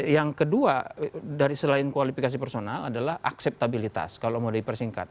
yang kedua dari selain kualifikasi personal adalah akseptabilitas kalau mau dipersingkat